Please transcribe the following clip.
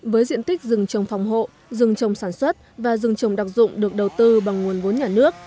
với diện tích rừng trồng phòng hộ rừng trồng sản xuất và rừng trồng đặc dụng được đầu tư bằng nguồn vốn nhà nước